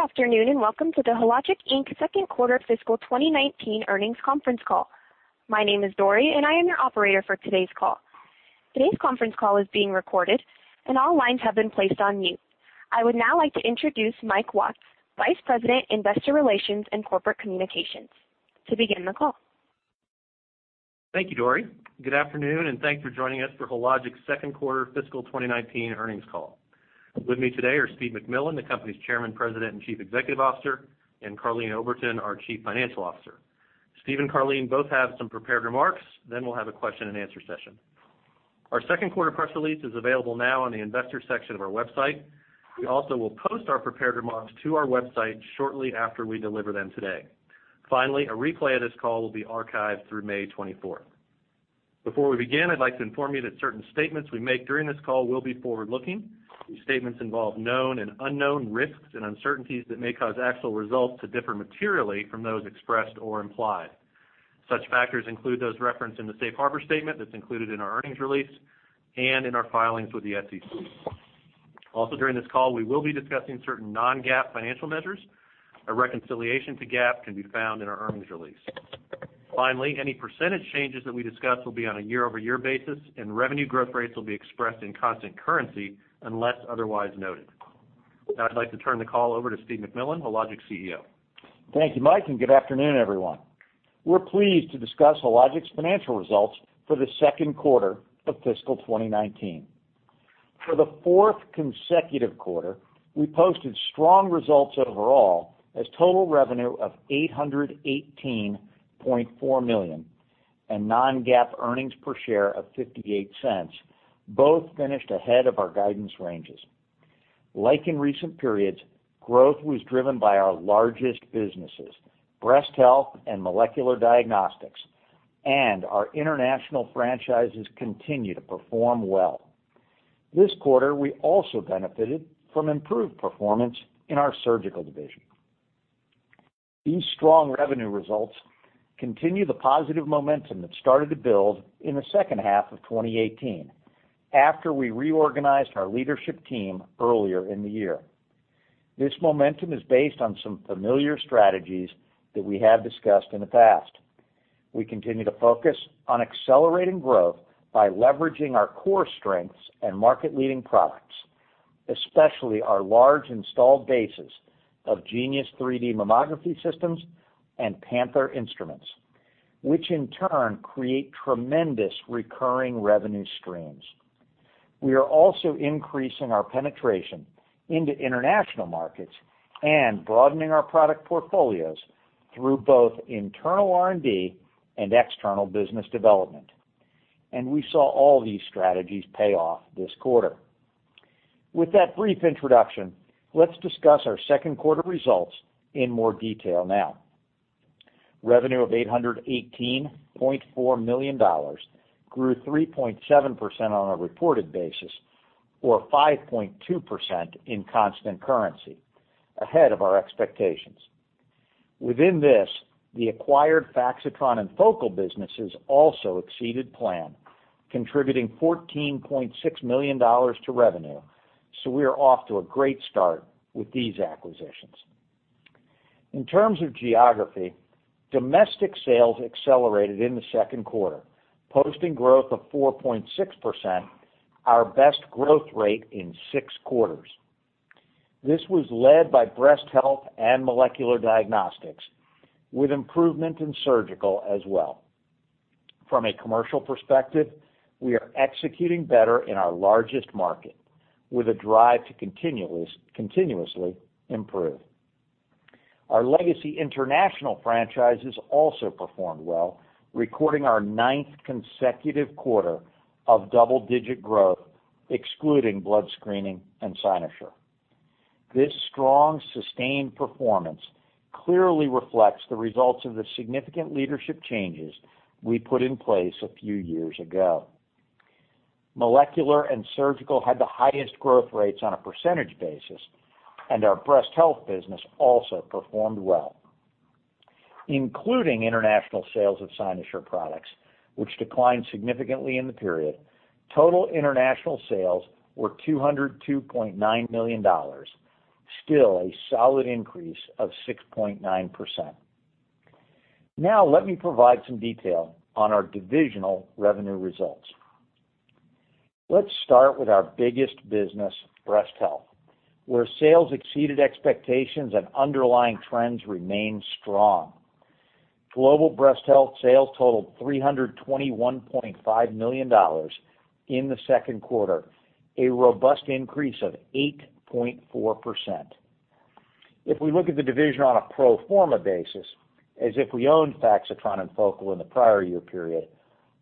Good afternoon, and welcome to the Hologic, Inc. second quarter fiscal 2019 earnings conference call. My name is Dory, and I am your operator for today's call. Today's conference call is being recorded, and all lines have been placed on mute. I would now like to introduce Michael Watts, Vice President, Investor Relations and Corporate Communications, to begin the call. Thank you, Dory. Good afternoon, and thanks for joining us for Hologic's second quarter fiscal 2019 earnings call. With me today are Steve MacMillan, the company's Chairman, President, and Chief Executive Officer, and Karleen Oberton, our Chief Financial Officer. Steve and Karleen both have some prepared remarks. We'll have a question and answer session. Our second quarter press release is available now on the investor section of our website. We also will post our prepared remarks to our website shortly after we deliver them today. A replay of this call will be archived through May 24th. Before we begin, I'd like to inform you that certain statements we make during this call will be forward-looking. These statements involve known and unknown risks and uncertainties that may cause actual results to differ materially from those expressed or implied. Such factors include those referenced in the safe harbor statement that's included in our earnings release and in our filings with the SEC. During this call, we will be discussing certain non-GAAP financial measures. A reconciliation to GAAP can be found in our earnings release. Any percentage changes that we discuss will be on a year-over-year basis, and revenue growth rates will be expressed in constant currency unless otherwise noted. I'd like to turn the call over to Steve MacMillan, Hologic's Chief Executive Officer. Thank you, Mike, and good afternoon, everyone. We're pleased to discuss Hologic's financial results for the second quarter of fiscal 2019. For the fourth consecutive quarter, we posted strong results overall as total revenue of $818.4 million and non-GAAP earnings per share of $0.58 both finished ahead of our guidance ranges. Like in recent periods, growth was driven by our largest businesses, Breast Health and Molecular Diagnostics, and our international franchises continue to perform well. This quarter, we also benefited from improved performance in our Surgical Division. These strong revenue results continue the positive momentum that started to build in the second half of 2018 after we reorganized our leadership team earlier in the year. This momentum is based on some familiar strategies that we have discussed in the past. We continue to focus on accelerating growth by leveraging our core strengths and market-leading products, especially our large installed bases of Genius 3D Mammography systems and Panther instruments, which in turn create tremendous recurring revenue streams. We are also increasing our penetration into international markets and broadening our product portfolios through both internal R&D and external business development. We saw all these strategies pay off this quarter. With that brief introduction, let's discuss our second quarter results in more detail now. Revenue of $818.4 million grew 3.7% on a reported basis or 5.2% in constant currency, ahead of our expectations. Within this, the acquired Faxitron and Focal businesses also exceeded plan, contributing $14.6 million to revenue. We are off to a great start with these acquisitions. In terms of geography, domestic sales accelerated in the second quarter, posting growth of 4.6%, our best growth rate in six quarters. This was led by breast health and molecular diagnostics, with improvement in surgical as well. From a commercial perspective, we are executing better in our largest market with a drive to continuously improve. Our legacy international franchises also performed well, recording our ninth consecutive quarter of double-digit growth, excluding blood screening and Cynosure. This strong, sustained performance clearly reflects the results of the significant leadership changes we put in place a few years ago. Molecular and surgical had the highest growth rates on a percentage basis. Our breast health business also performed well. Including international sales of Cynosure products, which declined significantly in the period, total international sales were $202.9 million, still a solid increase of 6.9%. Let me provide some detail on our divisional revenue results. Let's start with our biggest business, breast health, where sales exceeded expectations and underlying trends remained strong. Global breast health sales totaled $321.5 million in the second quarter, a robust increase of 8.4%. If we look at the division on a pro forma basis, as if we owned Faxitron and Focal in the prior year period,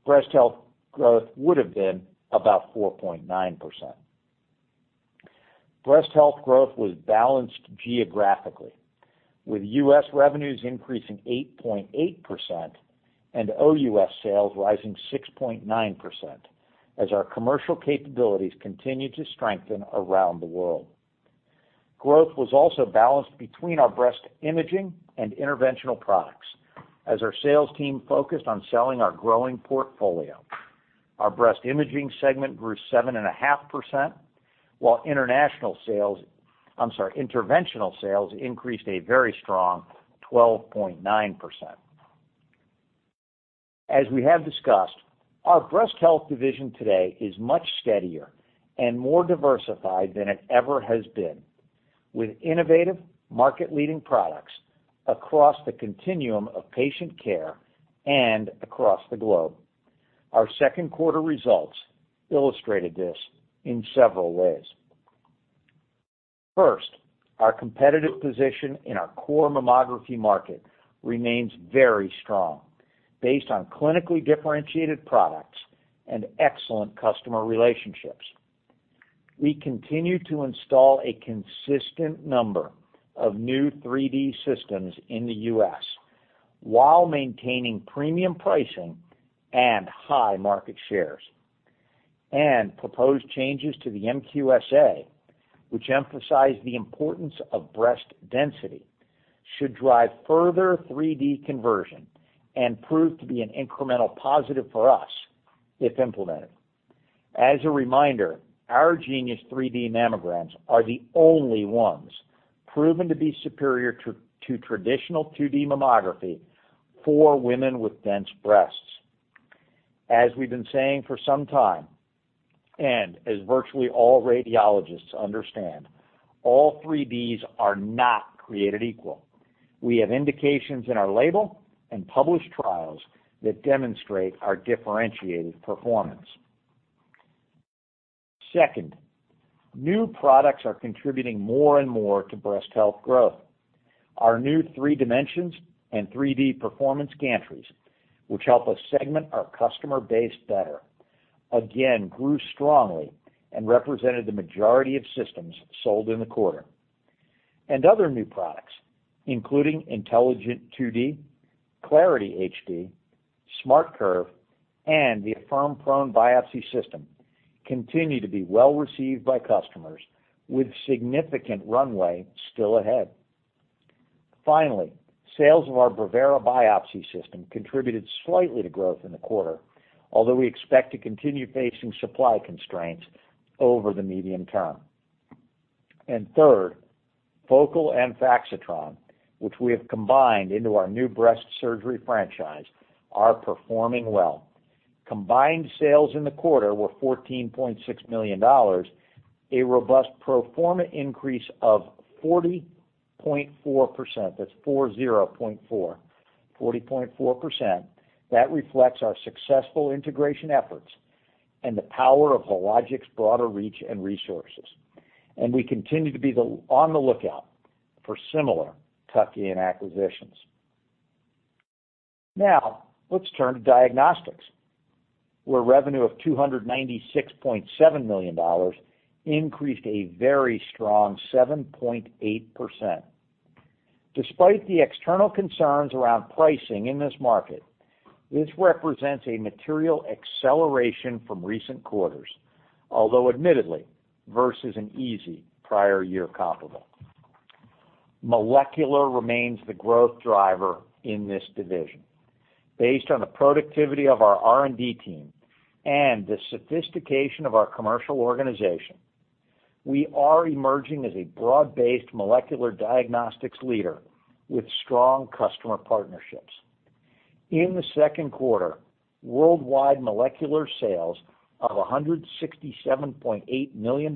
breast health growth would have been about 4.9%. Breast health growth was balanced geographically, with U.S. revenues increasing 8.8% and OUS sales rising 6.9% as our commercial capabilities continue to strengthen around the world. Growth was also balanced between our breast imaging and interventional products as our sales team focused on selling our growing portfolio. Our breast imaging segment grew 7.5%, while interventional sales increased a very strong 12.9%. As we have discussed, our breast health division today is much steadier and more diversified than it ever has been, with innovative market-leading products across the continuum of patient care and across the globe. Our second quarter results illustrated this in several ways. First, our competitive position in our core mammography market remains very strong based on clinically differentiated products and excellent customer relationships. We continue to install a consistent number of new 3D systems in the U.S. while maintaining premium pricing and high market shares. Proposed changes to the MQSA, which emphasize the importance of breast density, should drive further 3D conversion and prove to be an incremental positive for us if implemented. As a reminder, our Genius 3D Mammography mammograms are the only ones proven to be superior to traditional 2D mammography for women with dense breasts. As we've been saying for some time, as virtually all radiologists understand, all 3Ds are not created equal. We have indications in our label and published trials that demonstrate our differentiated performance. Second, new products are contributing more and more to breast health growth. Our new 3Dimensions and 3D Performance gantries, which help us segment our customer base better, again grew strongly and represented the majority of systems sold in the quarter. Other new products, including Intelligent 2D, Clarity HD, SmartCurve, and the Affirm Prone Biopsy System, continue to be well-received by customers with significant runway still ahead. Finally, sales of our Brevera biopsy system contributed slightly to growth in the quarter, although we expect to continue facing supply constraints over the medium term. Third, Focal and Faxitron, which we have combined into our new breast surgery franchise, are performing well. Combined sales in the quarter were $14.6 million, a robust pro forma increase of 40.4%. That's 40.4%, 40.4%. That reflects our successful integration efforts and the power of Hologic's broader reach and resources. We continue to be on the lookout for similar tuck-in acquisitions. Now, let's turn to diagnostics, where revenue of $296.7 million increased a very strong 7.8%. Despite the external concerns around pricing in this market, this represents a material acceleration from recent quarters, although admittedly, versus an easy prior year comparable. Molecular remains the growth driver in this division. Based on the productivity of our R&D team and the sophistication of our commercial organization, we are emerging as a broad-based molecular diagnostics leader with strong customer partnerships. In the second quarter, worldwide molecular sales of $167.8 million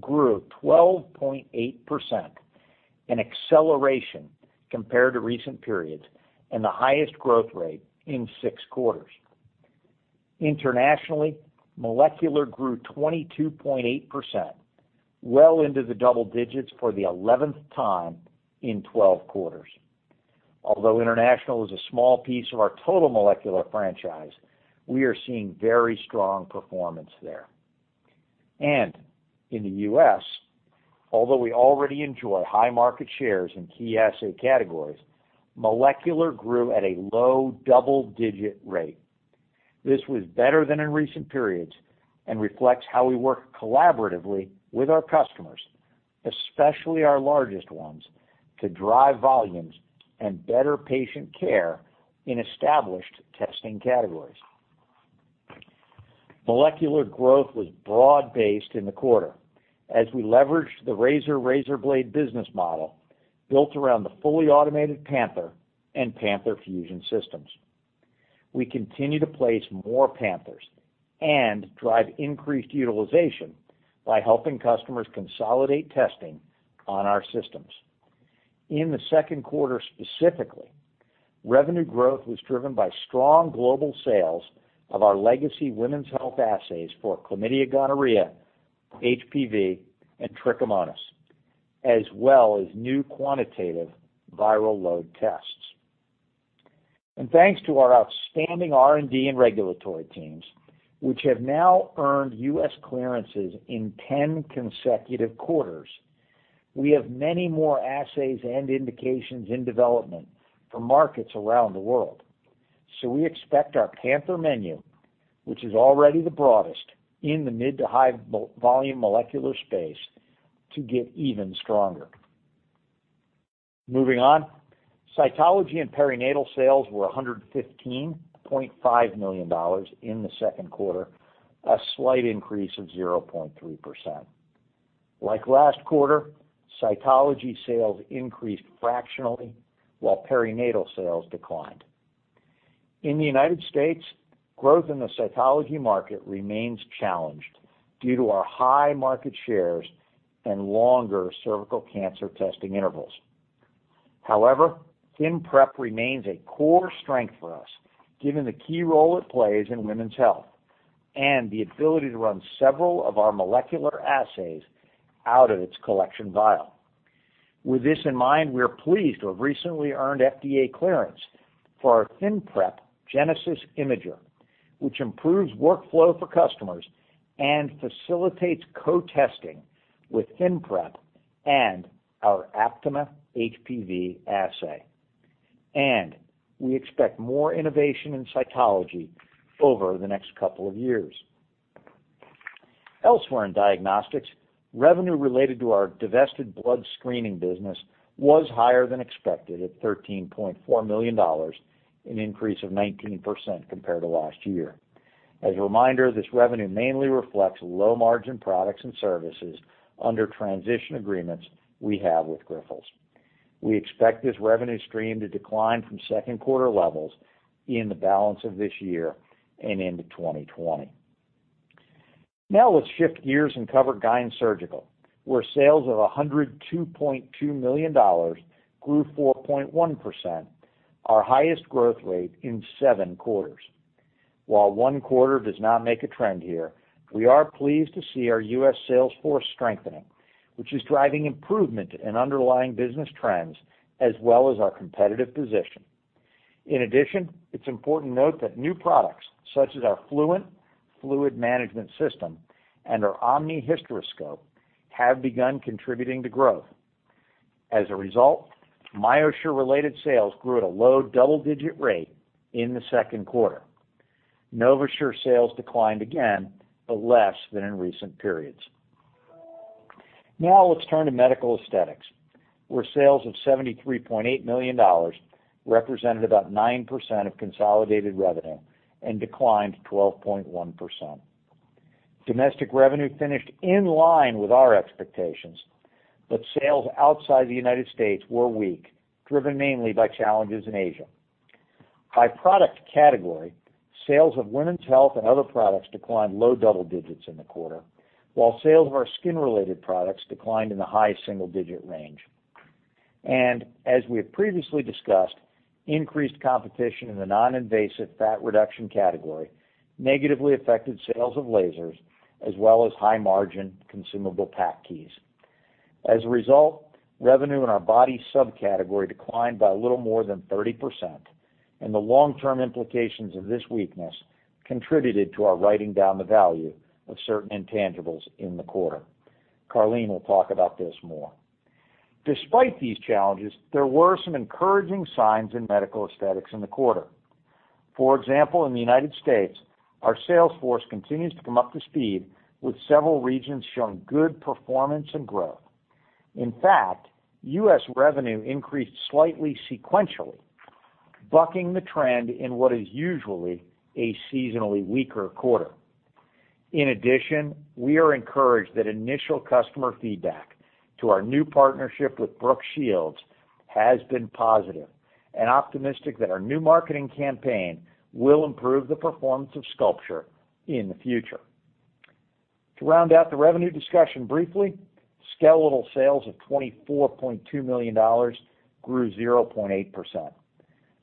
grew 12.8%, an acceleration compared to recent periods and the highest growth rate in six quarters. Internationally, molecular grew 22.8%, well into the double digits for the 11th time in 12 quarters. Although international is a small piece of our total molecular franchise, we are seeing very strong performance there. In the U.S., although we already enjoy high market shares in key assay categories, molecular grew at a low double-digit rate. This was better than in recent periods and reflects how we work collaboratively with our customers, especially our largest ones, to drive volumes and better patient care in established testing categories. Molecular growth was broad-based in the quarter as we leveraged the razor blade business model built around the fully automated Panther and Panther Fusion systems. We continue to place more Panthers and drive increased utilization by helping customers consolidate testing on our systems. In the second quarter specifically, revenue growth was driven by strong global sales of our legacy women's health assays for chlamydia, gonorrhea, HPV, and trichomonas, as well as new quantitative viral load tests. Thanks to our outstanding R&D and regulatory teams, which have now earned U.S. clearances in 10 consecutive quarters, we have many more assays and indications in development for markets around the world. We expect our Panther menu, which is already the broadest in the mid to high volume molecular space, to get even stronger. Moving on, cytology and perinatal sales were $115.5 million in the second quarter, a slight increase of 0.3%. Like last quarter, cytology sales increased fractionally, while perinatal sales declined. In the United States, growth in the cytology market remains challenged due to our high market shares and longer cervical cancer testing intervals. However, ThinPrep remains a core strength for us, given the key role it plays in women's health and the ability to run several of our molecular assays out of its collection vial. With this in mind, we are pleased to have recently earned FDA clearance for our ThinPrep Genesis Imager, which improves workflow for customers and facilitates co-testing with ThinPrep and our Aptima HPV assay. We expect more innovation in cytology over the next couple of years. Elsewhere in diagnostics, revenue related to our divested blood screening business was higher than expected at $13.4 million, an increase of 19% compared to last year. As a reminder, this revenue mainly reflects low-margin products and services under transition agreements we have with Grifols. We expect this revenue stream to decline from second quarter levels in the balance of this year and into 2020. Let's shift gears and cover Gyn Surgical, where sales of $102.2 million grew 4.1%, our highest growth rate in seven quarters. One quarter does not make a trend here, we are pleased to see our U.S. sales force strengthening, which is driving improvement in underlying business trends as well as our competitive position. It's important to note that new products such as our Fluent Fluid Management System and our Omni Hysteroscope have begun contributing to growth. MyoSure-related sales grew at a low double-digit rate in the second quarter. NovaSure sales declined again, but less than in recent periods. Let's turn to medical aesthetics, where sales of $73.8 million represented about 9% of consolidated revenue and declined 12.1%. Domestic revenue finished in line with our expectations, but sales outside the United States were weak, driven mainly by challenges in Asia. By product category, sales of women's health and other products declined low double digits in the quarter, while sales of our skin-related products declined in the high single-digit range. As we have previously discussed, increased competition in the non-invasive fat reduction category negatively affected sales of lasers as well as high-margin consumable PAC keys. Revenue in our body subcategory declined by a little more than 30%, and the long-term implications of this weakness contributed to our writing down the value of certain intangibles in the quarter. Karleen will talk about this more. Despite these challenges, there were some encouraging signs in medical aesthetics in the quarter. For example, in the United States, our sales force continues to come up to speed with several regions showing good performance and growth. In fact, U.S. revenue increased slightly sequentially, bucking the trend in what is usually a seasonally weaker quarter. We are encouraged that initial customer feedback to our new partnership with Brooke Shields has been positive and optimistic that our new marketing campaign will improve the performance of SculpSure in the future. To round out the revenue discussion briefly, skeletal sales of $24.2 million grew 0.8%.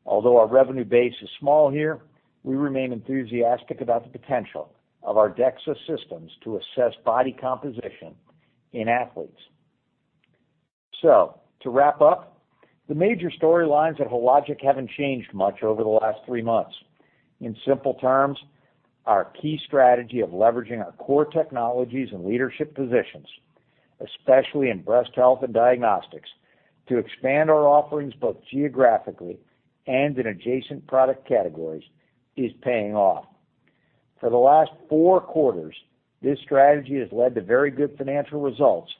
Although our revenue base is small here, we remain enthusiastic about the potential of our DEXA systems to assess body composition in athletes. To wrap up, the major storylines at Hologic haven't changed much over the last three months. In simple terms, our key strategy of leveraging our core technologies and leadership positions, especially in breast health and diagnostics, to expand our offerings both geographically and in adjacent product categories, is paying off. For the last four quarters, this strategy has led to very good financial results,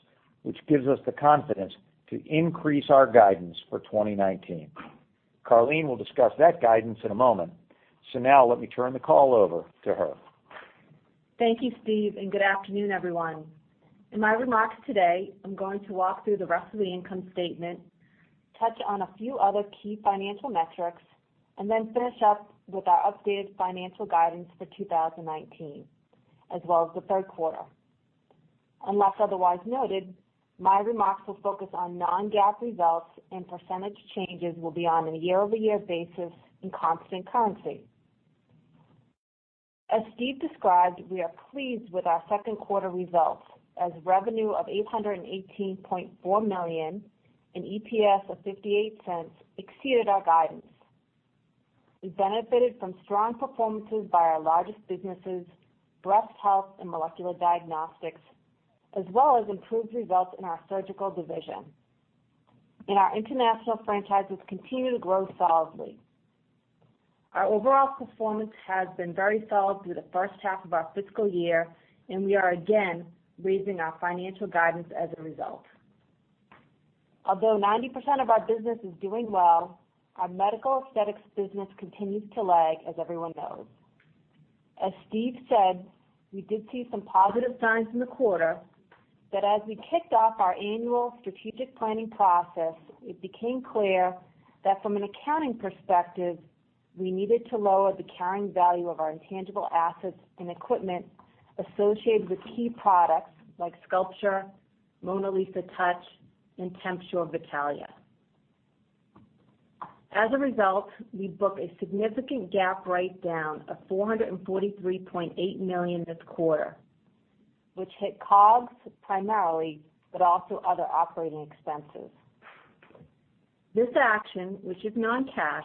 which gives us the confidence to increase our guidance for 2019. Karleen will discuss that guidance in a moment. Now let me turn the call over to her. Thank you, Steve. Good afternoon, everyone. In my remarks today, I'm going to walk through the rest of the income statement, touch on a few other key financial metrics, then finish up with our updated financial guidance for 2019 as well as the third quarter. Unless otherwise noted, my remarks will focus on non-GAAP results, and percentage changes will be on a year-over-year basis in constant currency. As Steve described, we are pleased with our second quarter results as revenue of $818.4 million and EPS of $0.58 exceeded our guidance. We benefited from strong performances by our largest businesses, breast health and molecular diagnostics, as well as improved results in our surgical division. Our international franchises continue to grow solidly. Our overall performance has been very solid through the first half of our fiscal year, and we are again raising our financial guidance as a result. Although 90% of our business is doing well, our medical aesthetics business continues to lag, as everyone knows. As Steve said, we did see some positive signs in the quarter, but as we kicked off our annual strategic planning process, it became clear that from an accounting perspective, we needed to lower the carrying value of our intangible assets and equipment associated with key products like SculpSure, MonaLisa Touch, and TempSure Vitalia. As a result, we book a significant GAAP write-down of $443.8 million this quarter, which hit COGS primarily, but also other operating expenses. This action, which is non-cash,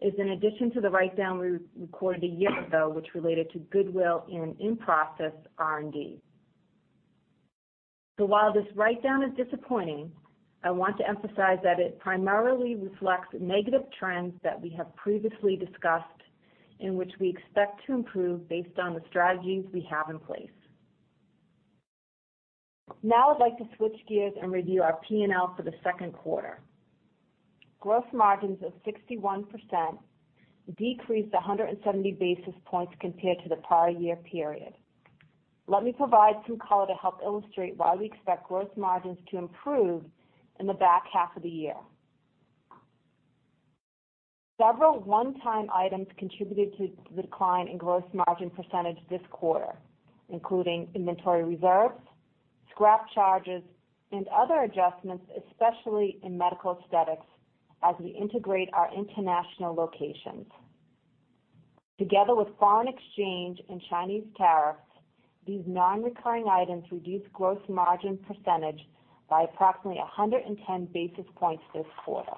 is in addition to the write-down we recorded a year ago, which related to goodwill and in-process R&D. While this write-down is disappointing, I want to emphasize that it primarily reflects negative trends that we have previously discussed and which we expect to improve based on the strategies we have in place. Now I'd like to switch gears and review our P&L for the second quarter. Gross margins of 61% decreased 170 basis points compared to the prior year period. Let me provide some color to help illustrate why we expect gross margins to improve in the back half of the year. Several one-time items contributed to the decline in gross margin percentage this quarter, including inventory reserves, scrap charges, and other adjustments, especially in medical aesthetics as we integrate our international locations. Together with foreign exchange and Chinese tariffs, these non-recurring items reduced gross margin percentage by approximately 110 basis points this quarter.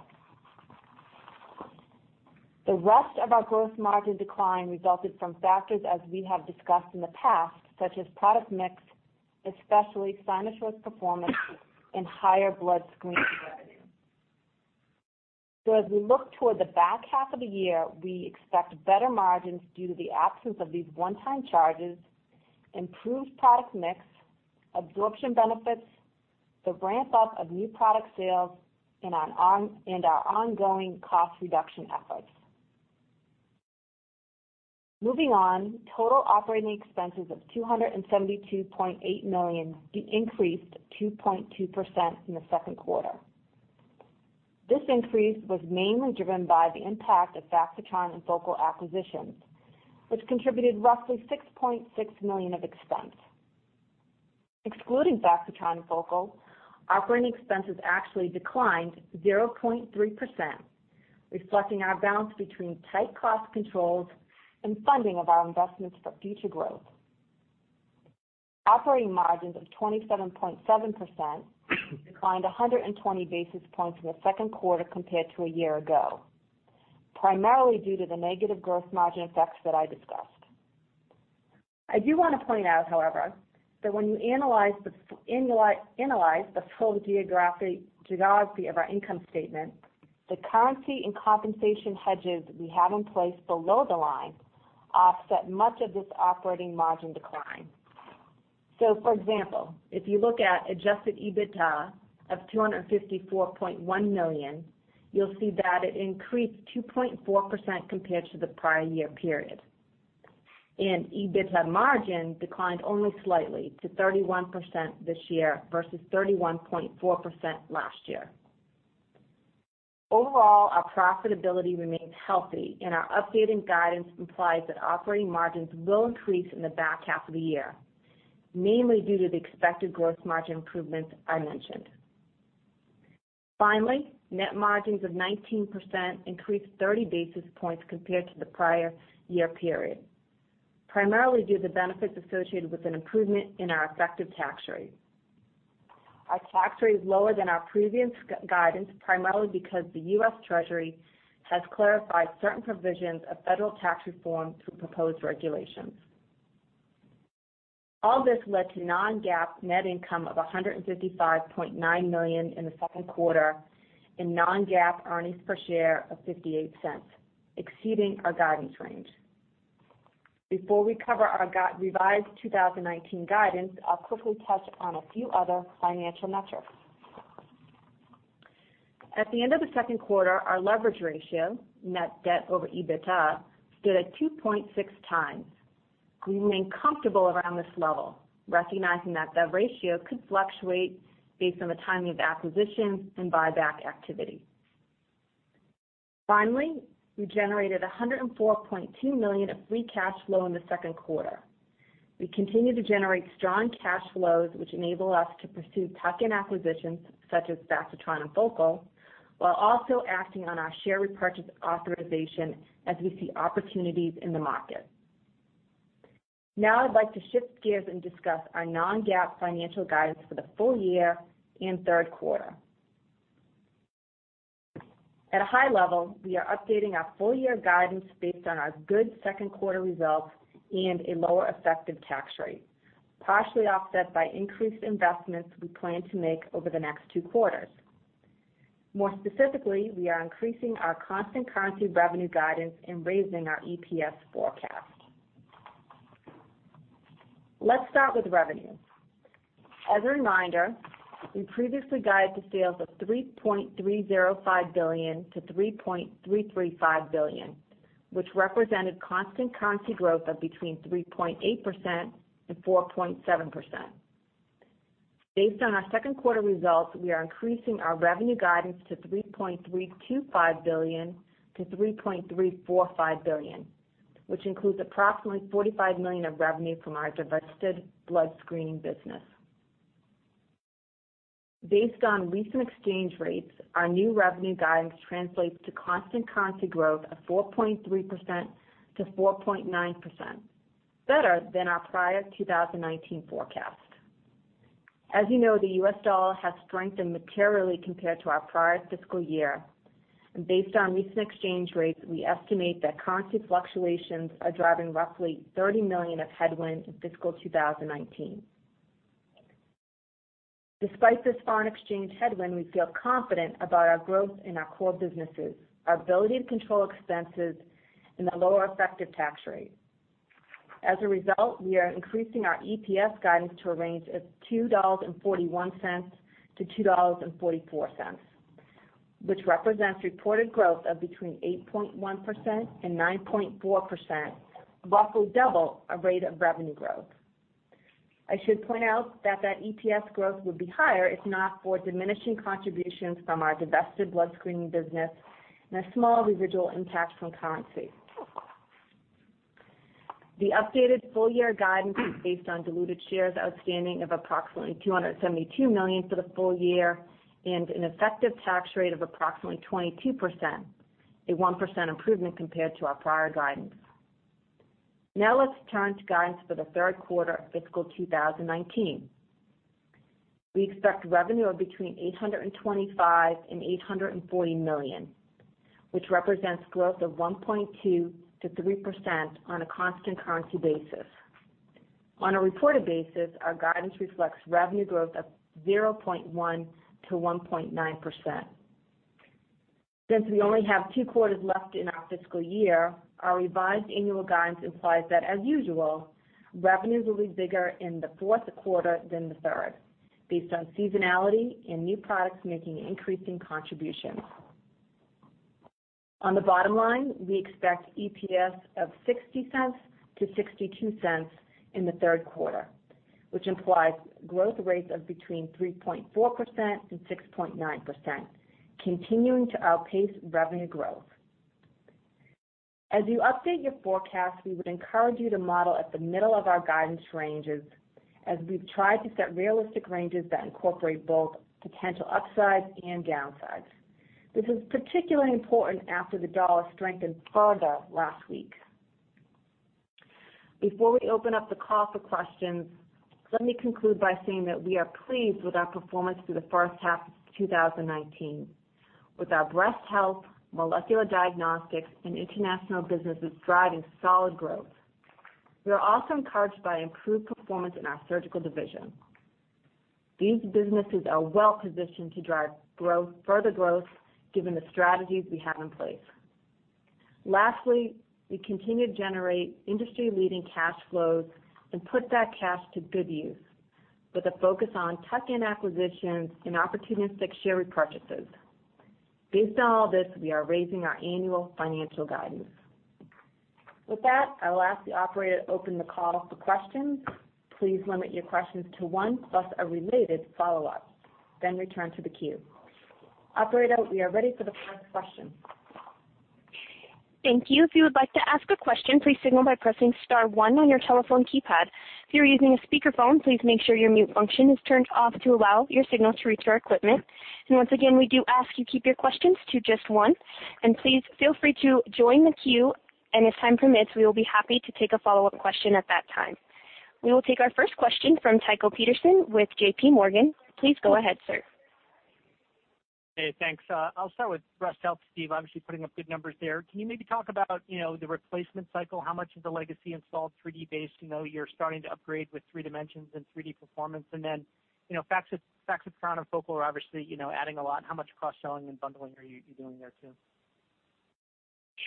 The rest of our gross margin decline resulted from factors as we have discussed in the past, such as product mix, especially Cynosure's performance in higher blood screening revenue. As we look toward the back half of the year, we expect better margins due to the absence of these one-time charges, improved product mix, absorption benefits, the ramp-up of new product sales, and our ongoing cost reduction efforts. Moving on, total operating expenses of $272.8 million increased 2.2% in the second quarter. This increase was mainly driven by the impact of Faxitron and Focal acquisitions, which contributed roughly $6.6 million of expense. Excluding Faxitron and Focal, operating expenses actually declined 0.3%, reflecting our balance between tight cost controls and funding of our investments for future growth. Operating margins of 27.7% declined 120 basis points in the second quarter compared to a year ago, primarily due to the negative gross margin effects that I discussed. I do want to point out, however, that when you analyze the full geography of our income statement, the currency and compensation hedges we have in place below the line offset much of this operating margin decline. For example, if you look at adjusted EBITDA of $254.1 million, you will see that it increased 2.4% compared to the prior year period. EBITDA margin declined only slightly to 31% this year versus 31.4% last year. Overall, our profitability remains healthy, and our updated guidance implies that operating margins will increase in the back half of the year, mainly due to the expected gross margin improvements I mentioned. Finally, net margins of 19% increased 30 basis points compared to the prior year period, primarily due to benefits associated with an improvement in our effective tax rate. Our tax rate is lower than our previous guidance, primarily because the U.S. Treasury has clarified certain provisions of federal tax reform through proposed regulations. All this led to non-GAAP net income of $155.9 million in the second quarter and non-GAAP earnings per share of $0.58, exceeding our guidance range. Before we cover our revised 2019 guidance, I will quickly touch on a few other financial metrics. At the end of the second quarter, our leverage ratio, net debt over EBITDA, stood at 2.6 times. We remain comfortable around this level, recognizing that the ratio could fluctuate based on the timing of acquisitions and buyback activity. Finally, we generated $104.2 million of free cash flow in the second quarter. We continue to generate strong cash flows, which enable us to pursue tuck-in acquisitions such as Faxitron and Focal, while also acting on our share repurchase authorization as we see opportunities in the market. I would like to shift gears and discuss our non-GAAP financial guidance for the full year and third quarter. At a high level, we are updating our full-year guidance based on our good second quarter results and a lower effective tax rate, partially offset by increased investments we plan to make over the next two quarters. More specifically, we are increasing our constant currency revenue guidance and raising our EPS forecast. Let's start with revenue. As a reminder, we previously guided to sales of $3.305 billion-$3.335 billion, which represented constant currency growth of between 3.8% and 4.7%. Based on our second quarter results, we are increasing our revenue guidance to $3.325 billion-$3.345 billion, which includes approximately $45 million of revenue from our divested blood screening business. Based on recent exchange rates, our new revenue guidance translates to constant currency growth of 4.3%-4.9%, better than our prior 2019 forecast. As you know, the U.S. dollar has strengthened materially compared to our prior fiscal year. Based on recent exchange rates, we estimate that currency fluctuations are driving roughly $30 million of headwind in fiscal 2019. Despite this foreign exchange headwind, we feel confident about our growth in our core businesses, our ability to control expenses, and the lower effective tax rate. As a result, we are increasing our EPS guidance to a range of $2.41-$2.44, which represents reported growth of between 8.1% and 9.4%, roughly double our rate of revenue growth. I should point out that EPS growth would be higher if not for diminishing contributions from our divested blood screening business and a small residual impact from currency. The updated full-year guidance is based on diluted shares outstanding of approximately 272 million for the full year and an effective tax rate of approximately 22%, a 1% improvement compared to our prior guidance. Let's turn to guidance for the third quarter of fiscal 2019. We expect revenue of between $825 million and $840 million, which represents growth of 1.2%-3% on a constant currency basis. On a reported basis, our guidance reflects revenue growth of 0.1%-1.9%. Since we only have two quarters left in our fiscal year, our revised annual guidance implies that as usual, revenues will be bigger in the fourth quarter than the third, based on seasonality and new products making increasing contributions. On the bottom line, we expect EPS of $0.60-$0.62 in the third quarter, which implies growth rates of between 3.4% and 6.9%, continuing to outpace revenue growth. As you update your forecast, we would encourage you to model at the middle of our guidance ranges as we've tried to set realistic ranges that incorporate both potential upsides and downsides. This is particularly important after the dollar strengthened further last week. Before we open up the call for questions, let me conclude by saying that we are pleased with our performance through the first half of 2019, with our breast health, molecular diagnostics, and international businesses driving solid growth. We are also encouraged by improved performance in our surgical division. These businesses are well-positioned to drive further growth given the strategies we have in place. We continue to generate industry-leading cash flows and put that cash to good use with a focus on tuck-in acquisitions and opportunistic share repurchases. Based on all this, we are raising our annual financial guidance. I will ask the operator to open the call for questions. Please limit your questions to one plus a related follow-up, then return to the queue. Operator, we are ready for the first question. Thank you. If you would like to ask a question, please signal by pressing *1 on your telephone keypad. If you are using a speakerphone, please make sure your mute function is turned off to allow your signal to reach our equipment. Once again, we do ask you keep your questions to just one, and please feel free to join the queue, if time permits, we will be happy to take a follow-up question at that time. We will take our first question from Tycho Peterson with J.P. Morgan. Please go ahead, sir. Hey, thanks. I'll start with breast health, Steve. Obviously putting up good numbers there. Can you maybe talk about the replacement cycle? How much of the legacy installed 3D base you're starting to upgrade with 3Dimensions and 3D Performance? Then, Faxitron and Focal are obviously adding a lot. How much cross-selling and bundling are you doing there too?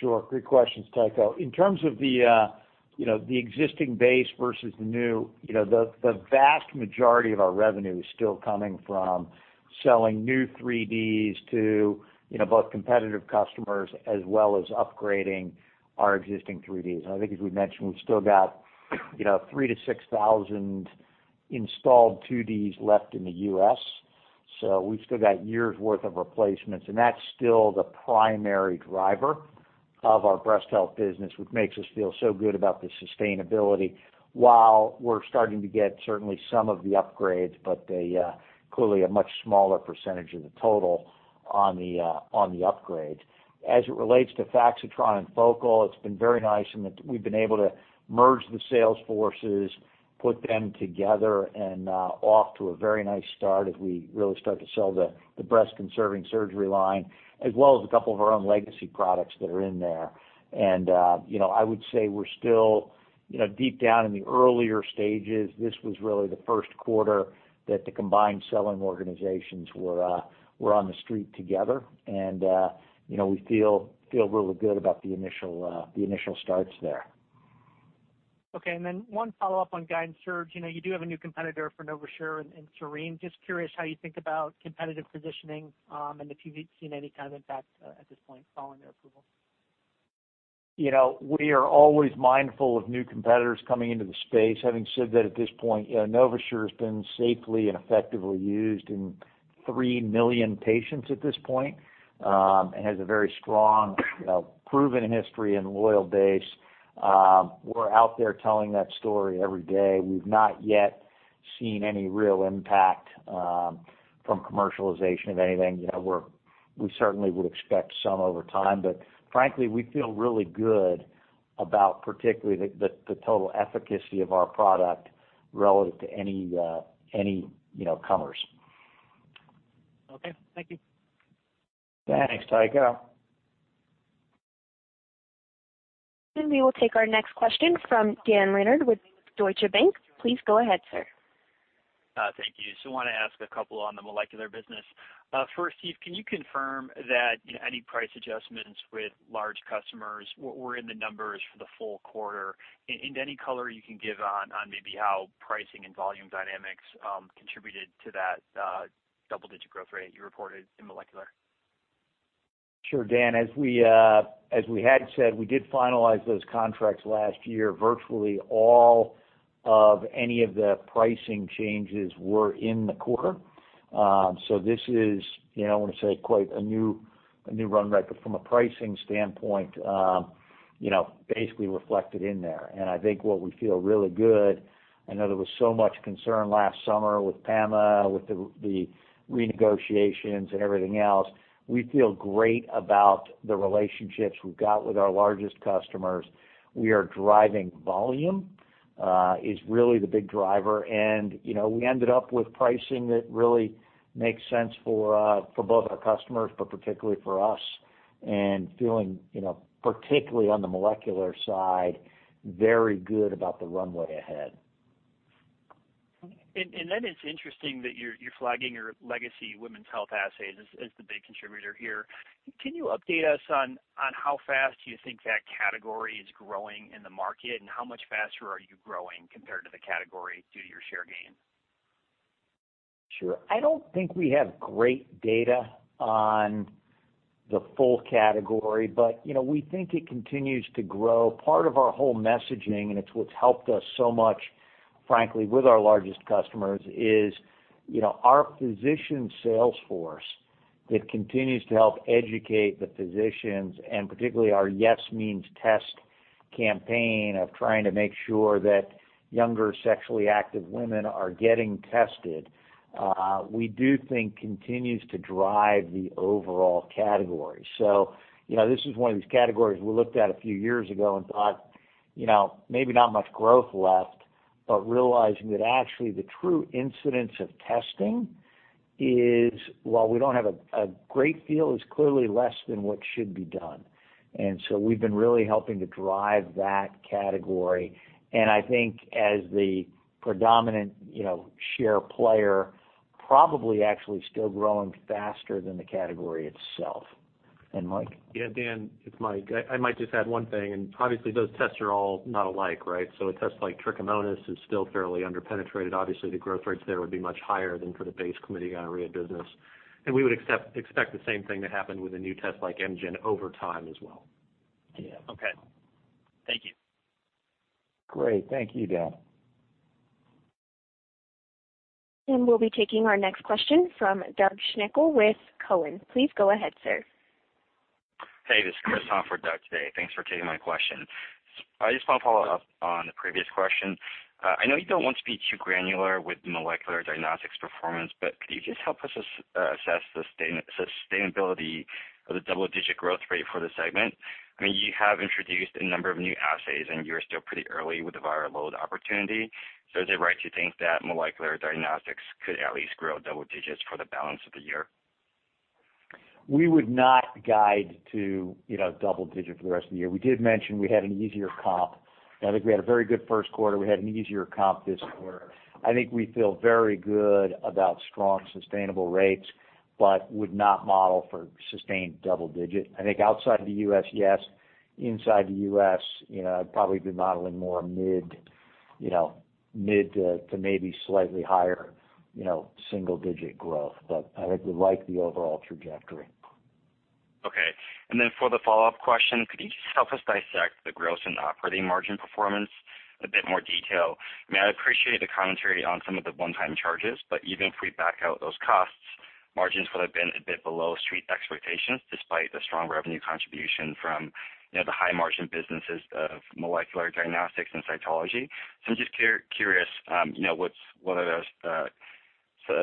Sure. Great questions, Tycho. In terms of the existing base versus the new, the vast majority of our revenue is still coming from selling new 3Ds to both competitive customers as well as upgrading our existing 3Ds. I think as we've mentioned, we've still got 3,000 to 6,000 installed 2Ds left in the U.S., so we've still got years' worth of replacements. That's still the primary driver of our breast health business, which makes us feel so good about the sustainability while we're starting to get certainly some of the upgrades, but clearly a much smaller % of the total on the upgrade. As it relates to Faxitron and Focal, it's been very nice in that we've been able to merge the sales forces, put them together, and off to a very nice start as we really start to sell the breast-conserving surgery line, as well as a couple of our own legacy products that are in there. I would say we're still deep down in the earlier stages. This was really the first quarter that the combined selling organizations were on the street together, and we feel really good about the initial starts there. Okay, then one follow-up on guidance, Steve. You do have a new competitor for NovaSure in Cerene. Just curious how you think about competitive positioning and if you've seen any kind of impact at this point following their approval. We are always mindful of new competitors coming into the space. Having said that, at this point, NovaSure has been safely and effectively used in 3 million patients at this point, and has a very strong, proven history and loyal base. We're out there telling that story every day. We've not yet seen any real impact from commercialization of anything. We certainly would expect some over time. Frankly, we feel really good about particularly the total efficacy of our product relative to any comers. Okay. Thank you. Yeah, thanks, Tycho. We will take our next question from Dan Leonard with Deutsche Bank. Please go ahead, sir. Thank you. I want to ask a couple on the molecular business. First, Steve, can you confirm that any price adjustments with large customers were in the numbers for the full quarter? Any color you can give on maybe how pricing and volume dynamics contributed to that double-digit growth rate you reported in molecular? Sure, Dan. As we had said, we did finalize those contracts last year. Virtually all of any of the pricing changes were in the quarter. This is, I want to say, quite a new run rate, but from a pricing standpoint, basically reflected in there. I think what we feel really good, I know there was so much concern last summer with PAMA, with the renegotiations and everything else. We feel great about the relationships we've got with our largest customers. We are driving volume. It's really the big driver. We ended up with pricing that really makes sense for both our customers, but particularly for us, and feeling, particularly on the molecular side, very good about the runway ahead. It's interesting that you're flagging your legacy women's health assays as the big contributor here. Can you update us on how fast you think that category is growing in the market, and how much faster are you growing compared to the category due to your share gain? Sure. I don't think we have great data on the full category, we think it continues to grow. Part of our whole messaging, it's what's helped us so much, frankly, with our largest customers, is our physician sales force that continues to help educate the physicians, particularly our Yes Means Test campaign of trying to make sure that younger sexually active women are getting tested, we do think continues to drive the overall category. This is one of these categories we looked at a few years ago and thought, maybe not much growth left, but realizing that actually the true incidence of testing is, while we don't have a great feel, is clearly less than what should be done. We've been really helping to drive that category. I think as the predominant share player, probably actually still growing faster than the category itself. Mike? Yeah, Dan, it's Mike. I might just add one thing. Obviously, those tests are all not alike, right? A test like trichomoniasis is still fairly under-penetrated. Obviously, the growth rates there would be much higher than for the base chlamydia business. We would expect the same thing to happen with a new test like MGEN over time as well. Okay. Thank you. Great. Thank you, Dan. We'll be taking our next question from Doug Schenkel with Cowen. Please go ahead, sir. Hey, this is Chris on for Doug today. Thanks for taking my question. I just want to follow up on the previous question. I know you don't want to be too granular with molecular diagnostics performance, but could you just help us assess the sustainability of the double-digit growth rate for the segment? You have introduced a number of new assays, and you're still pretty early with the viral load opportunity. Is it right to think that molecular diagnostics could at least grow double digits for the balance of the year? We would not guide to double digit for the rest of the year. We did mention we had an easier comp. I think we had a very good first quarter. We had an easier comp this quarter. I think we feel very good about strong, sustainable rates, but would not model for sustained double digit. I think outside the U.S., yes. Inside the U.S., I'd probably be modeling more mid to maybe slightly higher single-digit growth. I think we like the overall trajectory. Okay. For the follow-up question, could you just help us dissect the gross and operating margin performance a bit more detail? I appreciate the commentary on some of the one-time charges, but even if we back out those costs, margins would have been a bit below street expectations, despite the strong revenue contribution from the high-margin businesses of molecular diagnostics and cytology. I'm just curious, what are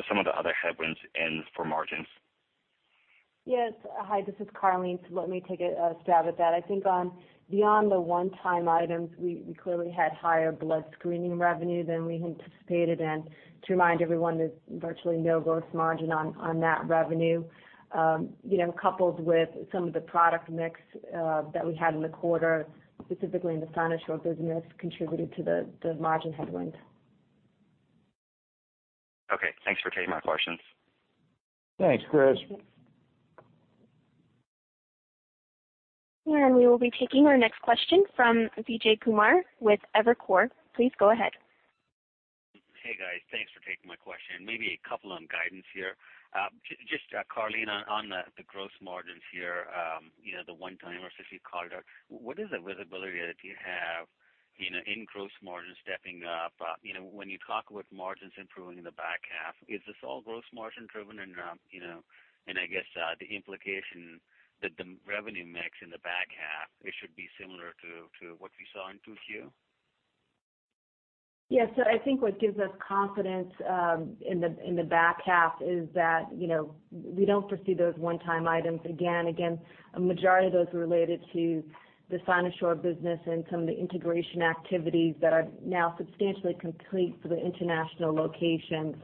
some of the other headwinds in for margins? Yes. Hi, this is Karleen. Let me take a stab at that. I think on beyond the one-time items, we clearly had higher blood screening revenue than we had anticipated. To remind everyone, there's virtually no gross margin on that revenue. Coupled with some of the product mix that we had in the quarter, specifically in the Cynosure business, contributed to the margin headwind. Any more questions? Thanks, Chris. We will be taking our next question from Vijay Kumar with Evercore. Please go ahead. Hey, guys. Thanks for taking my question. Maybe a couple on guidance here. Just, Karleen, on the gross margins here, the one-time or as you called out, what is the visibility that you have in gross margin stepping up? When you talk about margins improving in the back half, is this all gross margin driven? I guess, the implication that the revenue mix in the back half, it should be similar to what we saw in 2Q? Yes. I think what gives us confidence in the back half is that, we don't foresee those one-time items again. Again, a majority of those related to the Cynosure business and some of the integration activities that are now substantially complete for the international locations.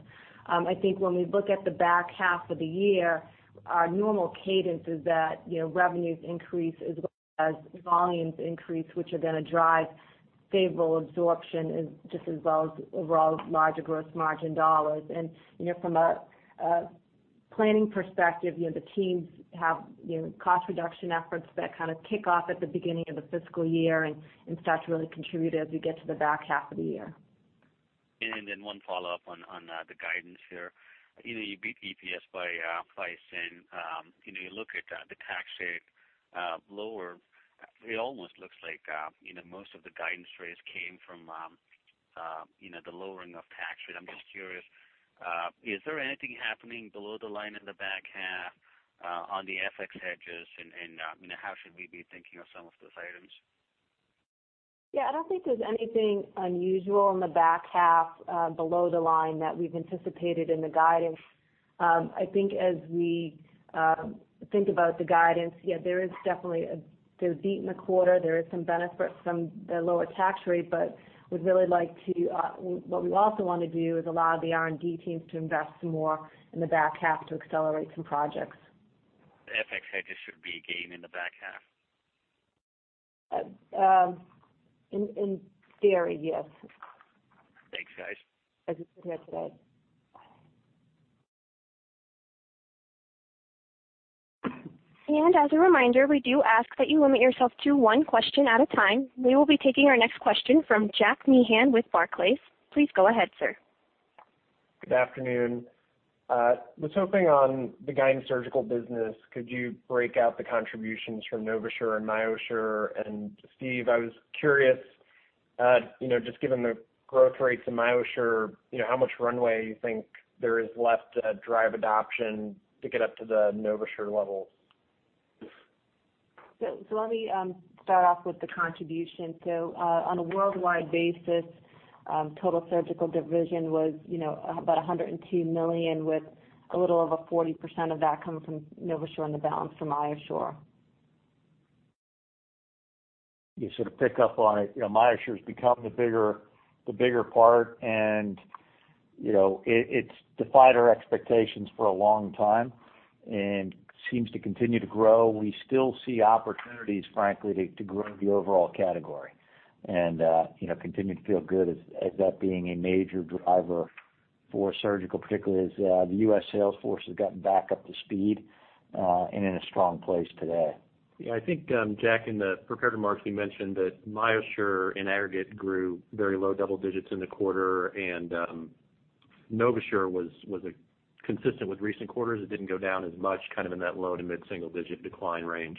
I think when we look at the back half of the year, our normal cadence is that revenues increase as well as volumes increase, which are going to drive favorable absorption just as well as overall larger gross margin dollars. From a planning perspective, the teams have cost reduction efforts that kind of kick off at the beginning of the fiscal year and start to really contribute as we get to the back half of the year. One follow-up on the guidance here. You beat EPS by $0.01, you look at the tax rate lower. It almost looks like most of the guidance raise came from the lowering of tax rate. I'm just curious, is there anything happening below the line in the back half on the FX hedges, and how should we be thinking of some of those items? Yeah, I don't think there's anything unusual in the back half below the line that we've anticipated in the guidance. I think as we think about the guidance, yeah, there is definitely a beat in the quarter. There is some benefit from the lower tax rate, what we also want to do is allow the R&D teams to invest some more in the back half to accelerate some projects. FX hedges should be a gain in the back half? In theory, yes. Thanks, guys. As it sit here today. As a reminder, we do ask that you limit yourself to one question at a time. We will be taking our next question from Jack Meehan with Barclays. Please go ahead, sir. Good afternoon. I was hoping on the guided surgical business, could you break out the contributions from NovaSure and MyoSure? Steve, I was curious, just given the growth rates in MyoSure, how much runway you think there is left to drive adoption to get up to the NovaSure levels? Let me start off with the contribution. On a worldwide basis, total surgical division was about $102 million, with a little over 40% of that coming from NovaSure and the balance from MyoSure. You sort of pick up on it. MyoSure's become the bigger part, it's defied our expectations for a long time and seems to continue to grow. We still see opportunities, frankly, to grow the overall category and continue to feel good as that being a major driver for surgical, particularly as the U.S. sales force has gotten back up to speed and in a strong place today. Yeah, I think, Jack, in the prepared remarks, we mentioned that MyoSure in aggregate grew very low double digits in the quarter, and NovaSure was consistent with recent quarters. It didn't go down as much, kind of in that low- to mid-single-digit decline range.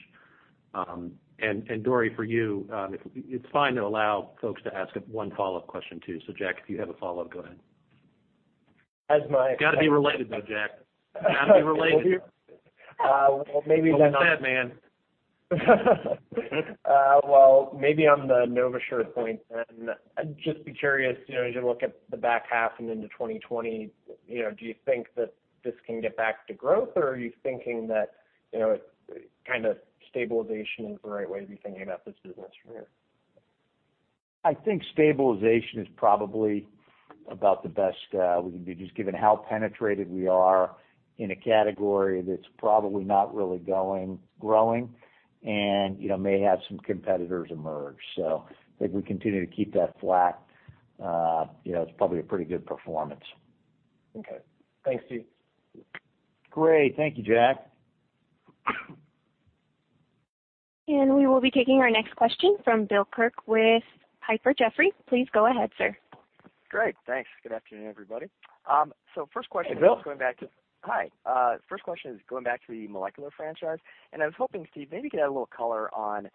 Dory, for you, it's fine to allow folks to ask one follow-up question, too. Jack, if you have a follow-up, go ahead. As Got to be related, though, Jack. Got to be related. Well, maybe then Well said, man. Well, maybe on the NovaSure point then. I'd just be curious, as you look at the back half and into 2020, do you think that this can get back to growth, or are you thinking that kind of stabilization is the right way to be thinking about this business from here? I think stabilization is probably about the best we can do, just given how penetrated we are in a category that's probably not really growing and may have some competitors emerge. I think we continue to keep that flat. It's probably a pretty good performance. Okay. Thanks, Steve. Great. Thank you, Jack. We will be taking our next question from Bill Kirk with Piper Jaffray. Please go ahead, sir. Great. Thanks. Good afternoon, everybody. First question- Hey, Bill First question is going back to the molecular franchise. I was hoping, Steve, maybe you could add a little color on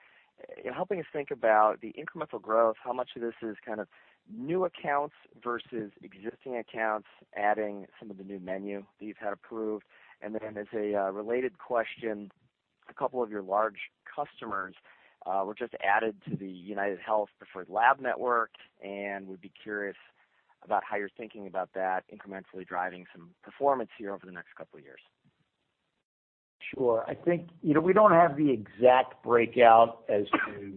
helping us think about the incremental growth, how much of this is kind of new accounts versus existing accounts adding some of the new menu that you've had approved. As a related question, a couple of your large customers were just added to the UnitedHealth preferred lab network, and we'd be curious about how you're thinking about that incrementally driving some performance here over the next couple of years. Sure. I think we don't have the exact breakout as to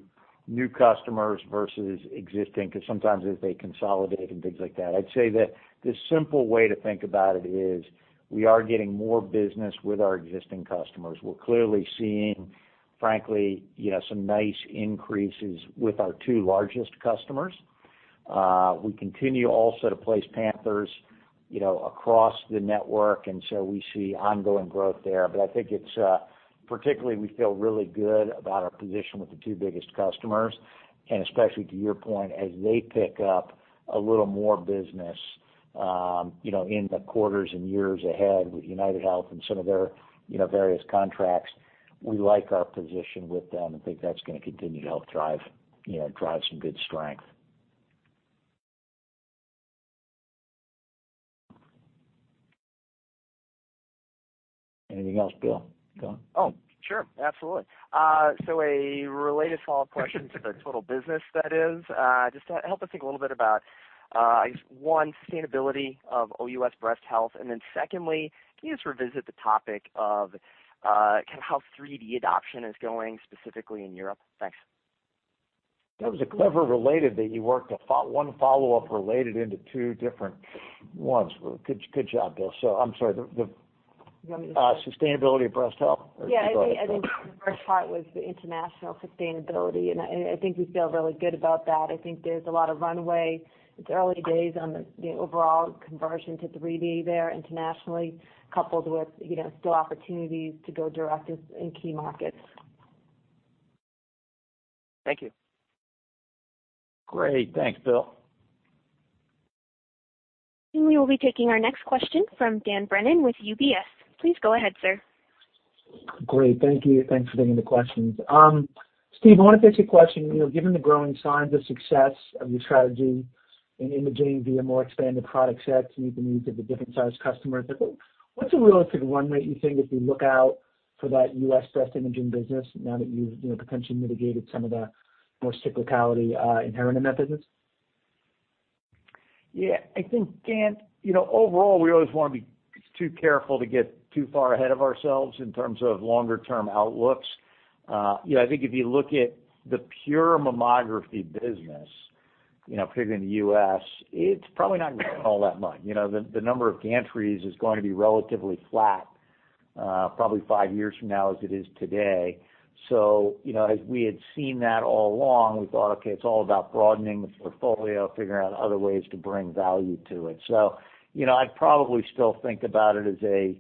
new customers versus existing because sometimes they consolidate and things like that. I'd say that the simple way to think about it is we are getting more business with our existing customers. We're clearly seeing, frankly, some nice increases with our two largest customers. We continue also to place Panthers across the network, so we see ongoing growth there. I think particularly, we feel really good about our position with the two biggest customers, and especially to your point, as they pick up a little more business in the quarters and years ahead with UnitedHealth and some of their various contracts. We like our position with them and think that's going to continue to help drive some good strength. Anything else, Bill? Go on. Oh, sure. Absolutely. A related follow-up question to the total business, that is. Just help us think a little bit about, I guess one, sustainability of OUS breast health. Secondly, can you just revisit the topic of how 3D adoption is going specifically in Europe? Thanks. That was a clever related that you worked one follow-up related into two different ones. Good job, Bill. I'm sorry. You want me to- Sustainability of breast health. Yeah. I think the first part was the international sustainability, and I think we feel really good about that. I think there's a lot of runway. It's early days on the overall conversion to 3D there internationally, coupled with still opportunities to go direct in key markets. Thank you. Great. Thanks, Bill. We will be taking our next question from Dan Brennan with UBS. Please go ahead, sir. Great. Thank you. Thanks for taking the questions. Steve, I want to pose you a question. Given the growing signs of success of your strategy in imaging via more expanded product sets to meet the needs of the different sized customers, what's a realistic run rate you think as we look out for that U.S. breast imaging business now that you've potentially mitigated some of the more cyclicality inherent in that business? Yeah. I think, Dan, overall we always want to be too careful to get too far ahead of ourselves in terms of longer-term outlooks. I think if you look at the pure mammography business, particularly in the U.S., it's probably not going to grow all that much. The number of gantries is going to be relatively flat, probably five years from now as it is today. As we had seen that all along, we thought, okay, it's all about broadening the portfolio, figuring out other ways to bring value to it. I'd probably still think about it as a